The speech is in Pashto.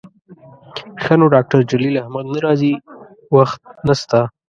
ښه نو ډاکتر جلیل احمد نه راځي، وخت نسته